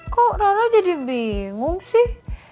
kok roro jadi bingung sih